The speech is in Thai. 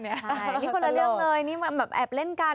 อันนี้คนละเรื่องเลยนี่แบบแอบเล่นกัน